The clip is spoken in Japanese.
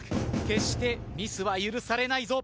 決してミスは許されないぞ。